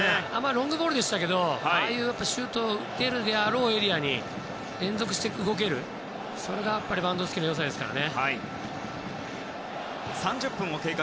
ロングボールでしたけどシュートを打てるだろうエリアに連続して動ける、それがレバンドフスキの良さですから。